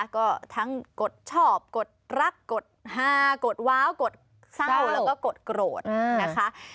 ก็ทั้งกดชอบกดรักกดฮากดว้าวกดเศร้าแล้วก็กดโกรธนะคะ